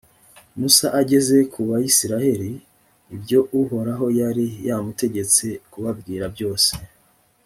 musa ageza ku bayisraheli ibyo uhoraho yari yamutegetse kubabwira byose.